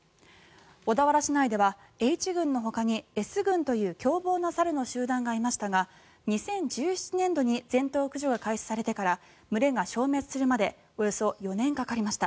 小田原市内ではＨ群のほかにＳ群という凶暴な猿の集団がいましたが２０１７年度に全頭駆除が開始されてから群れが消滅するまでおよそ４年かかりました。